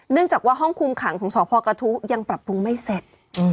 จากว่าห้องคุมขังของสพกระทุยังปรับปรุงไม่เสร็จ